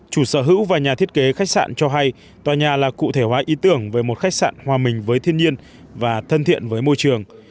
chủ sở hữu và nhà thiết kế khách sạn cho hay tòa nhà là cụ thể hóa ý tưởng về một khách sạn hòa bình với thiên nhiên và thân thiện với môi trường